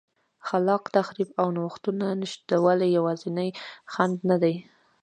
خلاق تخریب او نوښتونو نشتوالی یوازینی خنډ نه دی